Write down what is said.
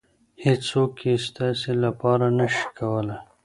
هېڅوک یې ستاسې لپاره نشي کولی.